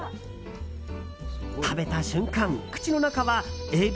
食べた瞬間、口の中はエビ！